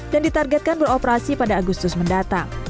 dan ditargetkan beroperasi pada agustus mendatang